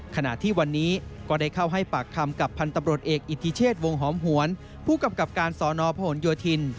ขณะที่วันนี้ก็ได้เข้าให้ปากคำกับพันธบรตเอกอิทธิเชศวงฮหวนผู้กำกับการสนพยฮิล